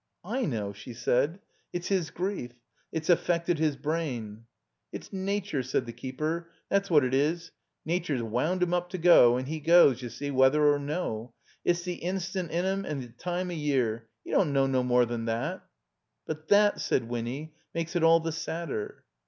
' *I know," she said. '' It's his grief. It's affected his brain." "It's Nacher," said the keeper, "that's what it is. Nacher's wound *im up to go, and he goes, you see, whether or no. It's the instint in 'im and the time of year. 'E don't know no more than that." "But that," said Wiony, "makes it all the sad der."